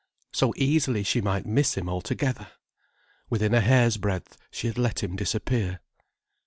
So easily she might miss him altogether! Within a hair's breadth she had let him disappear.